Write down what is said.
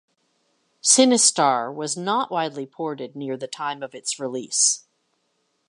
"Sinistar" was not widely ported near the time of its release.